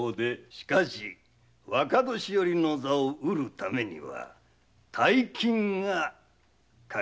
しかし若年寄の座を得るためには大金がかかるでのう。